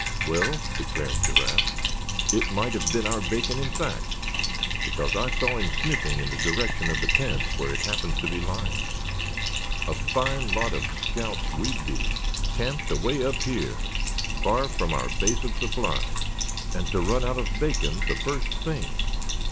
"Well," declared Giraffe, "it might have been our bacon, in fact; because I saw him sniffing in the direction of the tent where it happens to be lying. A fine lot of scouts we'd be, camped away up here, far from our base of supplies, and to run out of bacon the first thing.